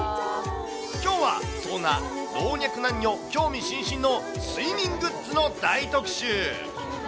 きょうはそんな老若男女興味津々の睡眠グッズの大特集。